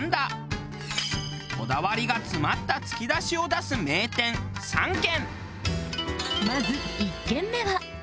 こだわりが詰まったつきだしを出す名店３軒。